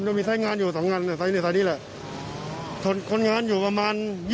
ผมไม่อยู่ตรงนั้นแล้วแล้วมันพุ่งออกมาเลย